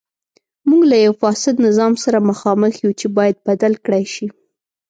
موږ له یوه فاسد نظام سره مخامخ یو چې باید بدل کړای شي.